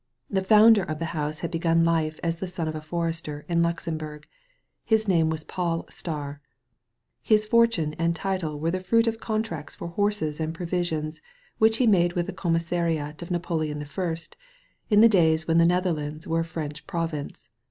The founder of the house had begun life as the son of a forester in Luxemburg. His name was Pol Staar. His for tune and title were the fruit of contracts for horses and provisions which he made with the commis sariat of Napoleon L in the days when the Nether lands were a Prench province.